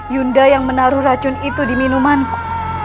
yunda yang menaruh racun itu di minumanku